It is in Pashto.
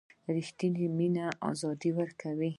ریښتینې مینه آزادي ورکوي.